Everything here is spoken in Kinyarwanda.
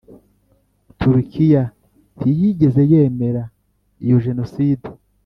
Turkiya ntiyigeze yemera iyo Jenoside